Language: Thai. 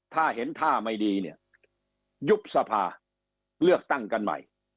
ถ้าเห็นท่าไม่ดีเนี่ยยุบสภาเลือกตั้งกันใหม่